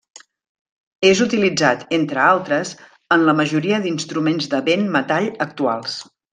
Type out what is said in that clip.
És utilitzat, entre altres, en la majoria d'instruments de vent metall actuals.